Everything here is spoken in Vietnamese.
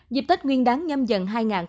dịp tết nguyên đáng nhâm dần hai nghìn hai mươi bốn